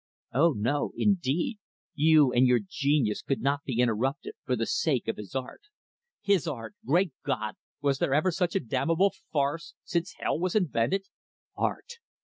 Oh, no, indeed, you and your genius could not be interrupted, for the sake of his art. His art! Great God! was there ever such a damnable farce since hell was invented? Art!